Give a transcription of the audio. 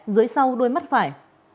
dưới sau đuôi mắt phải